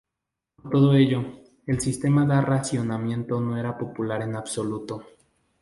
Por todo ello, el sistema de racionamiento no era popular en absoluto.